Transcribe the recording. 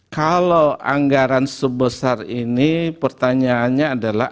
kalau anggaran sebesar ini pertanyaannya adalah